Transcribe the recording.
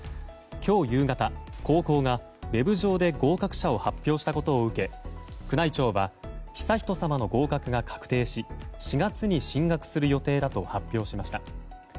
今日夕方、高校がウェブ上で合格者を発表したことを受け宮内庁は、悠仁さまの合格が確定し４月に進学する予定だと発表しました。